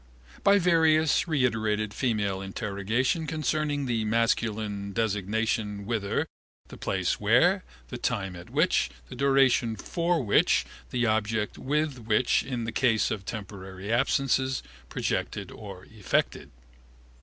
By various reiterated feminine interrogation concerning the masculine destination whither, the place where, the time at which, the duration for which, the object with which in the case of temporary absences, projected or effected.